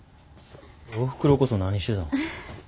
おふくろこそ何してたん。